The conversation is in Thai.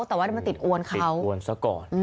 แต่ว่ามันติดอวนเขาอวนซะก่อน